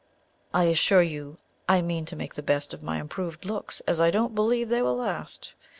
I assure you I mean to make the best of my improved looks, as I don't believe they will last.